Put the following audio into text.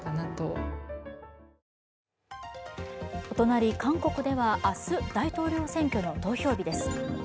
お隣、韓国では明日、大統領選挙の投票日です。